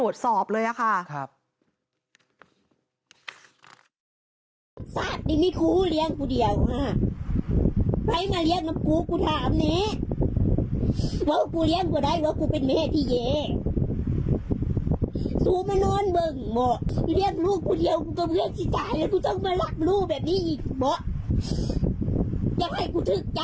ในพื้นที่ให้รีบไปตรวจสอบเลยอะค่ะ